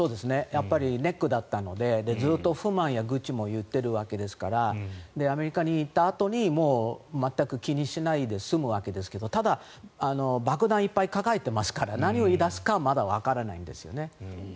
やっぱり、ネックだったのでずっと不満や愚痴も言っているわけですからアメリカに行ったあとに全く気にしないで済むわけですがただ、爆弾をいっぱい抱えていますから何を言い出すかまだわからないんですよね。